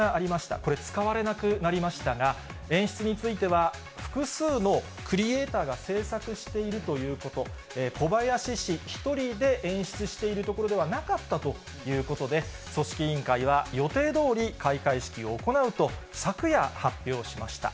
これ、使われなくなりましたが、演出については、複数のクリエーターが制作しているということ、小林氏１人で演出しているところではなかったということで、組織委員会は予定どおり開会式を行うと、昨夜発表しました。